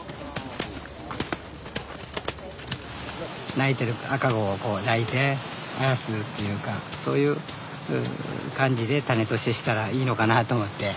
泣いてる赤子を抱いてあやすっていうかそういう感じでタネと接したらいいのかなと思って。